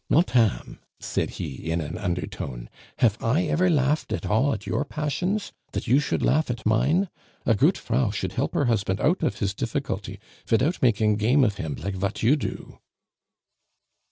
"Motame," said he in an undertone, "have I ever laughed at all at your passions, that you should laugh at mine? A goot frau should help her husband out of his difficulty vidout making game of him like vat you do."